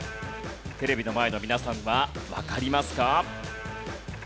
テレビの前の皆さんはわかりますか？